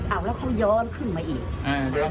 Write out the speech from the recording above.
เอาแล้วเขาย้อนขึ้นมาอีก